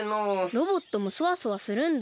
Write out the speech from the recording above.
ロボットもソワソワするんだ。